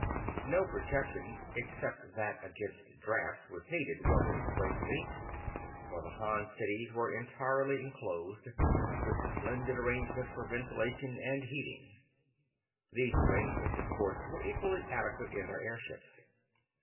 No protection, except that against drafts, was needed, Wilma explained to me, for the Han cities were entirely enclosed, with splendid arrangements for ventilation and heating. These arrangements of course were equally adequate in their airships.